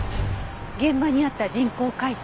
現場にあった人工海水。